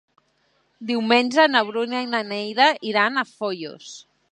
Diumenge na Bruna i na Neida iran a Foios.